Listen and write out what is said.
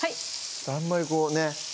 あんまりこうね